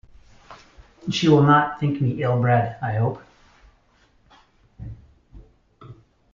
She will not think me ill-bred, I hope?